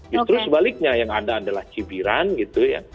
justru sebaliknya yang ada adalah cibiran gitu ya